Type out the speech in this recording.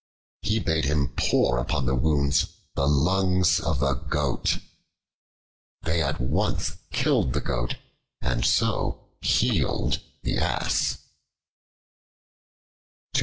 He bade him pour upon the wounds the lungs of a Goat. They at once killed the Goat, and so healed the Ass.